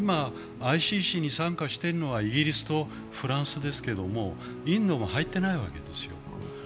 今、ＩＣＣに参加しているのはイギリスとフランスですけどもインドも入ってないわけですよ。